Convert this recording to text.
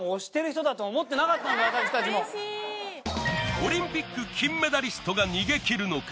オリンピック金メダリストが逃げきるのか？